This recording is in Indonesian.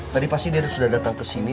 tadi pasti dia sudah datang kesini